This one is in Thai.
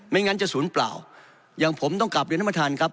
ไม่งั้นจะศูนย์เปล่าอย่างผมต้องกลับเดือนธรรมธรรมครับ